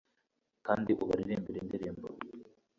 kandi ubaririmbire indirimbo